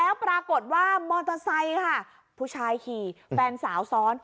แล้วปรากฏว่ามอเตอร์ไซค์ค่ะผู้ชายขี่แฟนสาวซ้อน